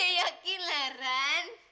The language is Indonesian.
ya yakin lah ran